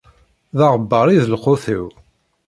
D aɣebbar i d lqut-iw.